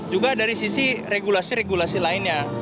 juga dari sisi regulasi regulasi lainnya